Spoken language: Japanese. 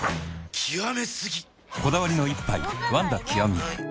極め過ぎ！